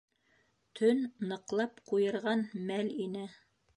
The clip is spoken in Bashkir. Төн ныҡлап ҡуйырған мәл ине.